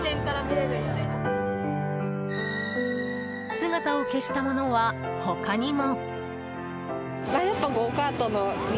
姿を消したものは、他にも。